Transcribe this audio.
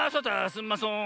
すんまそん。